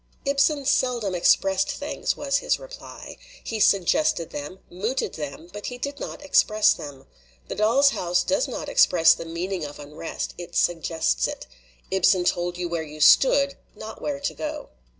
"Ibsen seldom expressed things," was his reply. "He suggested them, mooted them, but he did not express them. The Doll's House does not express the meaning of unrest, it suggests it. Ibsen told you where you stood, not where to go."